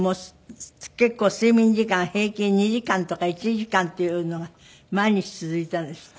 睡眠時間平均２時間とか１時間っていうのが毎日続いたんですって？